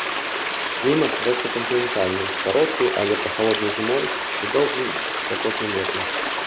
Клімат рэзка кантынентальны з кароткай, але прахалоднай зімой і доўгім спякотным летам.